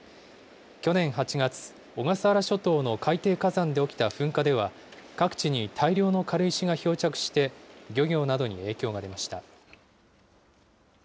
去年８月、小笠原諸島の海底火山で起きた噴火では、各地に大量の軽石が漂着して、漁業などに影響が出ました。